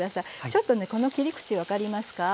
ちょっとねこの切り口分かりますか？